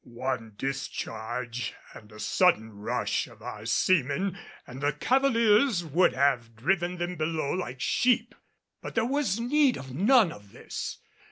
One discharge and a sudden rush of our seamen and cavaliers would have driven them below like sheep. But there was need of none of this.